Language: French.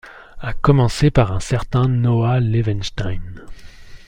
À commencer par un certain Noah Levenstein...